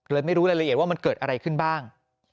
ไม่รู้รายละเอียดว่ามันเกิดอะไรขึ้นบ้าง